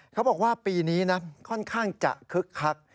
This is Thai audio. เขาบอกว่าปีนี้นะค่อนข้างจะคึกคัก